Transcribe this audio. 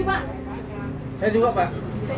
saya juga pak